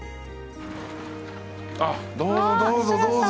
あどうぞどうぞどうぞ。